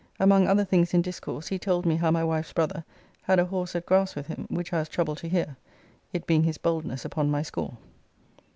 Among other things in discourse he told me how my wife's brother had a horse at grass with him, which I was troubled to hear, it being his boldness upon my score.